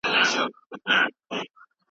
د اولادونو په روزنه کي حرص زيات فضيلت لري.